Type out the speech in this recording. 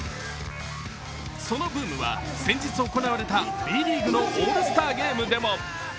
そのブームは先日行われたＢリーグのオールスターゲームでも。